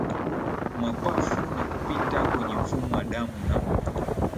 mapafu na kupita kwenye mfumo wa damu na